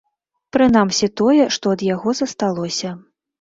Прынамсі, тое, што ад яго засталося.